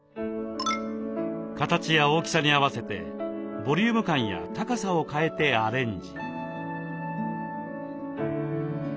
形や大きさに合わせてボリューム感や高さを変えてアレンジ。